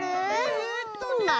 えっとね。